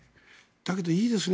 だけど、いいですね。